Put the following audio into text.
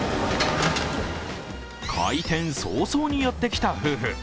開店早々にやってきた夫婦。